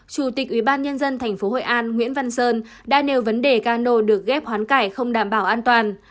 chủ tịch ủy ban nhân dân tp hội an nguyễn văn sơn đã nêu vấn đề cano được ghép hoán cải không đảm bảo an toàn